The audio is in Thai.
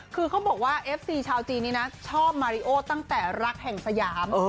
คือเขาบอกว่าเอฟซีชาวจีนนี้นะชอบมาริโอตั้งแต่รักแห่งสยาม